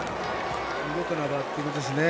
見事なバッティングですね。